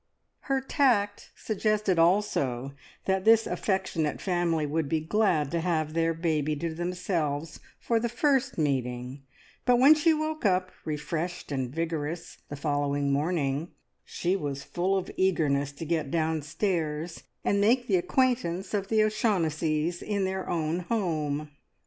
Her tact suggested also that this affectionate family would be glad to have their baby to themselves for the first meeting; but when she woke up refreshed and vigorous the following morning, she was full of eagerness to get downstairs, and make the acquaintance of the O'Shaughnessys in their own home.